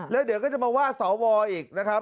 แล้วเดี๋ยวก็จะมาว่าสวอีกนะครับ